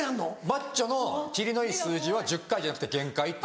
マッチョの切りのいい数字は１０回じゃなくて限界って。